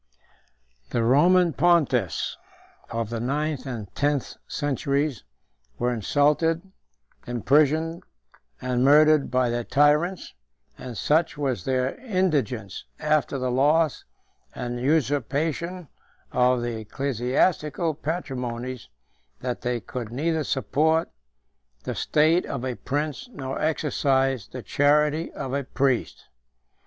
The Roman pontiffs, of the ninth and tenth centuries, were insulted, imprisoned, and murdered, by their tyrants; and such was their indigence, after the loss and usurpation of the ecclesiastical patrimonies, that they could neither support the state of a prince, nor exercise the charity of a priest.